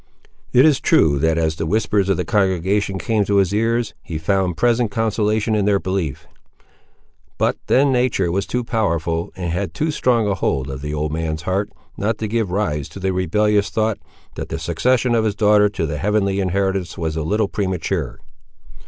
It is true that, as the whispers of the congregation came to his ears, he found present consolation in their belief; but then nature was too powerful, and had too strong a hold of the old man's heart, not to give rise to the rebellious thought, that the succession of his daughter to the heavenly inheritance was a little premature.